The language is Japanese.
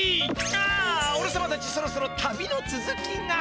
ああおれさまたちそろそろ旅のつづきが。